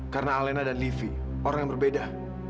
karena alena dan livi orang yang berbeda